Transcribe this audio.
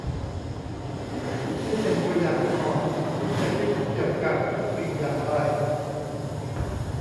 นี่เป็นตัวอย่างของ คุณจะคิดเกี่ยวกับทุกสิ่งอย่างไร